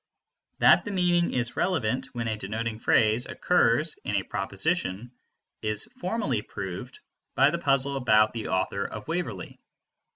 That the meaning is relevant when a denoting phrase occurs in a proposition is formally proved by the puzzle about the author of Waverley.